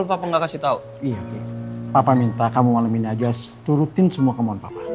papa minta kamu malam ini aja turutin semua kemohon papa ya